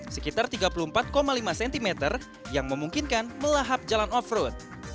sekitar tiga puluh empat lima cm yang memungkinkan melahap jalan off road